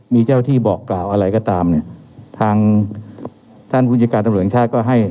มีเจ้าที่บอกกล่าวอะไรก็ตามเนี่ยทางท่านพระหญิงชาติก็ให้